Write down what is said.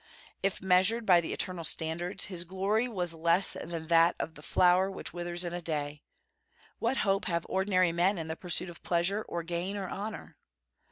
If, measured by the eternal standards, his glory was less than that of the flower which withers in a day, what hope have ordinary men in the pursuit of pleasure, or gain, or honor?